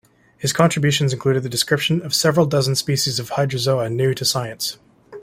His contributions included the description of several dozen species of Hydrozoa new to science.